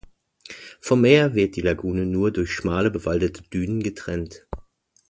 Vom Meer wird die Lagune nur durch schmale bewaldete Dünen getrennt.